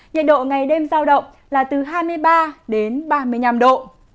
nhiệt độ ngày đêm giao động là từ hai mươi ba đến ba mươi năm độ